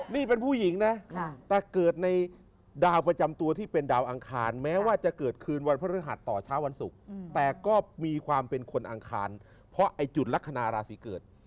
นี่เป็นผู้หญิงนะแต่เกิดในดาวประจำตัวที่เป็นดาวอังคารแม้ว่าจะเกิดคืนวันพระฤหัสต่อเช้าวันศุกร์แต่ก็มีความเป็นคนอังคารเพราะไอ้จุดลักษณะราศีเกิด